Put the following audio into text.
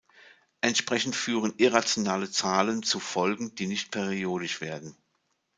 Entsprechend führen irrationale Zahlen zu Folgen, die nicht periodisch werden.